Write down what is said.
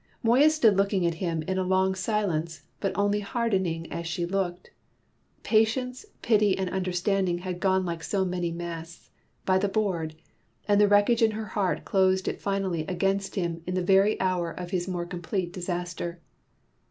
Moya stood looking at him in a long silence, but only hardening as she looked: patience, pity and understanding had gone like so many masts, by the board, and the wreckage in her heart closed it finally against him in the very hour of his more complete disaster.